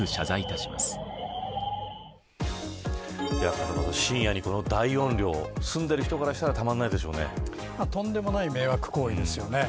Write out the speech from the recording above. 風間さん、深夜にこの大音量住んでいる人からしたらとんでもない迷惑行為ですよね。